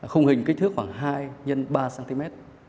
khung hình kích thước khoảng hai ba cm